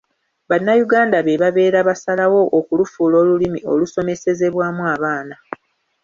Bannayuganda be babeera basalawo okulufuula olulimi olusomesezebwamu abaana.